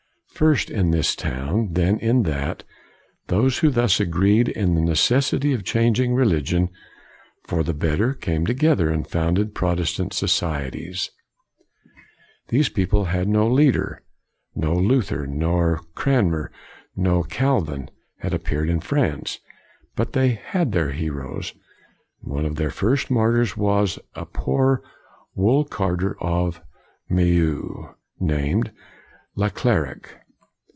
First in this town, then in that, those who thus agreed in the neces sity of changing religion for the better came together and founded Protestant societies. These people had no leader. No Luther, no Cranmer, no Calvin had ap peared in France. But they had their heroes. One of their first martyrs was a poor wool carder of Meaux, named Le clerc.